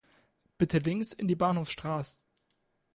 Bitte links in die Bahnhofstra